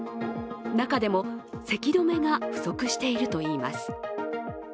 中でもせき止めが不足しているといいます。